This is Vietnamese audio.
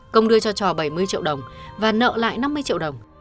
công đưa cho trò bảy mươi triệu đồng và nợ lại năm mươi triệu đồng